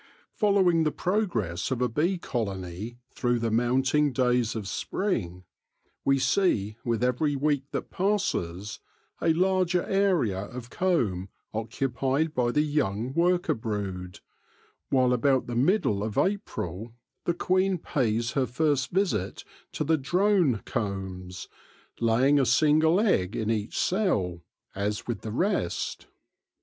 Following the progress of a bee colony through the mounting days of spring, we see, with every week that passes, a larger area of comb occupied by the young worker brood ; while about the middle of April the queen pays her first visit to the drone combs, laying a single egg in each cell, as with the rest.